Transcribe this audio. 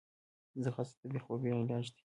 ځغاسته د بېخوبي علاج دی